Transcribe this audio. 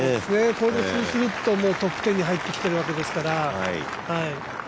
これ優勝するとトップ１０に入ってきているわけですから。